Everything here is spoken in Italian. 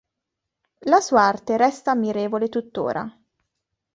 La sua arte resta ammirevole tuttora.